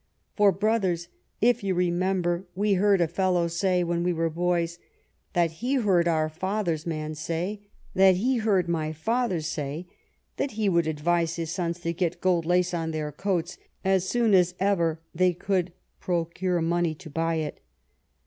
For, brothers, if you remember, we heard a fellow say, when we were boys, that he heard my father's man say, that he heard my father say, that he would advise his sons to get gold lace on their coats, as soon as ever they could procure money to buy it.'